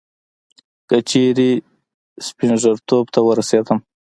که چیري سپين ژیرتوب ته ورسېدم